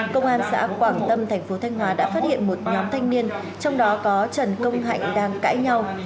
công an xã quảng tâm thành phố thanh hóa đã phát hiện một nhóm thanh niên trong đó có trần công hạnh đang cãi nhau